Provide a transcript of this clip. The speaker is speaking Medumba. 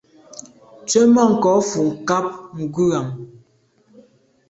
Tswemanko fo nkàb ngùyàm.